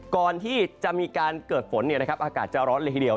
ก่อนที่จะมีการเกิดฝนเนี่ยนะครับอากาศจะร้อนเลยให้เดียว